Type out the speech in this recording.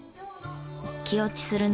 気落ちする中